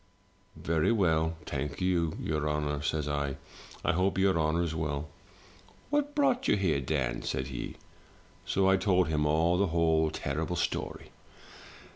'"'Very well, thank your honour,' says I. *I hope your honour's well.' " *What brought you here, Dan?' said he. So I told him all the whole terrible story.